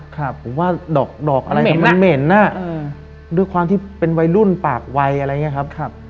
ครับผมว่าดอกอะไรมันเหม็นด้วยความที่เป็นวัยรุ่นปากวัยอะไรอย่างนี้ครับ